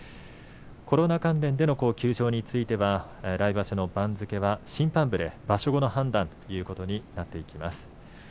コロナ関連の休場については来場所の番付は審判部で場所後の判断ということになっていきます。